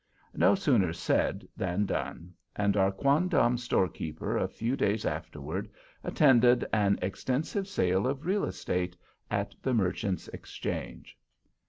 No sooner said than done; and our quondam storekeeper a few days afterward attended an extensive sale of real estate, at the Merchants' Exchange.